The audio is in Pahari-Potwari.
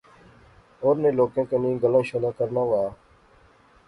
ہورنیں لوکیں کنے گلاں شلاں کرنا وہا